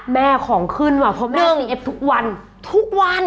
แม่ของขึ้นอะป้อม่าซีเอฟทุกวัน